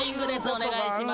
お願いします。